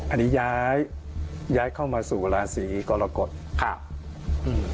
อันนี้ย้ายย้ายเข้ามาสู่ราศีกรกฎครับอืม